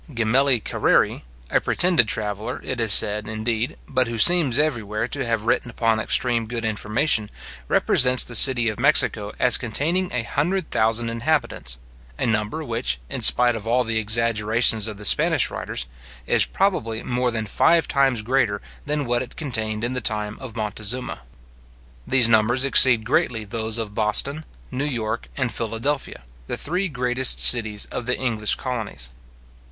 Gemel i Carreri, a pretended traveller, it is said, indeed, but who seems everywhere to have written upon extreme good information, represents the city of Mexico as containing a hundred thousand inhabitants; a number which, in spite of all the exaggerations of the Spanish writers, is probably more than five times greater than what it contained in the time of Montezuma. These numbers exceed greatly those of Boston, New York, and Philadelphia, the three greatest cities of the English colonies.